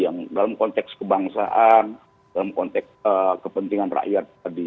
yang dalam konteks kebangsaan dalam konteks kepentingan rakyat tadi